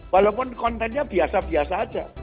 walaupun kontennya biasa biasa saja